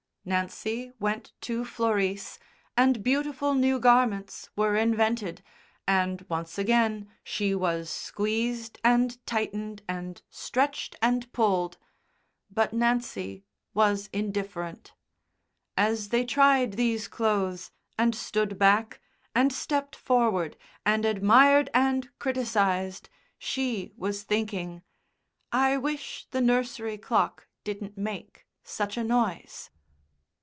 Nancy went to Florice, and beautiful new garments were invented, and once again she was squeezed, and tightened, and stretched, and pulled. But Nancy was indifferent. As they tried these clothes, and stood back, and stepped forward, and admired and criticised, she was thinking, "I wish the nursery clock didn't make such a noise."